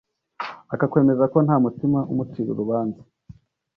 akakwemeza ko nta mutima umucira urubanza